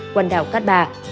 quần đảo cát bà